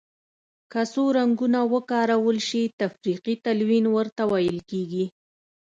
که څو رنګونه وکارول شي تفریقي تلوین ورته ویل کیږي.